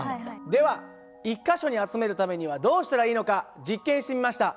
では１か所に集めるためにはどうしたらいいのか実験してみました。